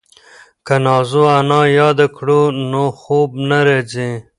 که نازو انا یاده کړو نو خوب نه راځي.